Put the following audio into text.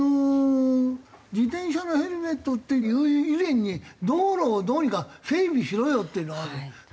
自転車のヘルメットっていう以前に道路をどうにか整備しろよっていうのはあるよね。